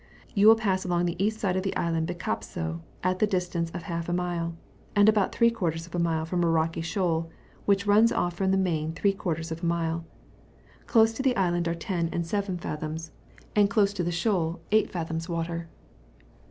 You will pass along the east side of the island Biskopsoe, at the distance of half a mile, and about three quarters of a mile from a rocky skoal, which runs off from the main three quarters of a mile : close to the island are 10 and 7 fathoms, and close to llie shoal 8 fathoms water.